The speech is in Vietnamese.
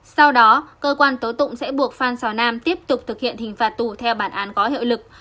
sau đó cơ quan tố tụng sẽ buộc phan xào nam tiếp tục thực hiện hình phạt tù theo bản án có hiệu lực